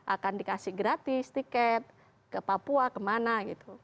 akan dikasih gratis tiket ke papua kemana gitu